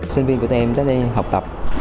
sinh viên của tụi em đến đây học tập